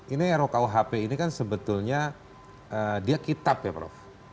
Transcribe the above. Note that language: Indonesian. ini rukuhp ini kan sebetulnya dia kitab ya prof